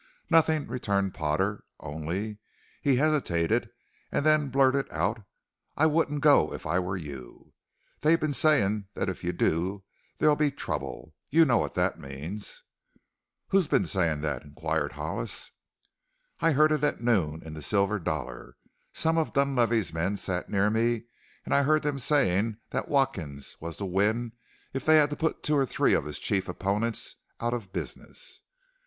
"Nothing," returned Potter; "only " he hesitated and then blurted out: "I wouldn't go if I were you. They've been saying that if you do there'll be trouble. You know what that means." "Who has been saying that?" inquired Hollis. "I heard it at noon in the Silver Dollar. Some of Dunlavey's men sat near me and I heard them saying that Watkins was to win if they had to put two or three of his chief opponents out of business."